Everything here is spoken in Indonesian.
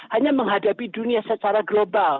hanya menghadapi dunia secara global